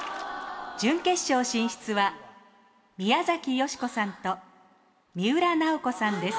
準決勝進出は宮崎美子さんと三浦奈保子さんです。